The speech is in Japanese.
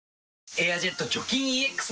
「エアジェット除菌ＥＸ」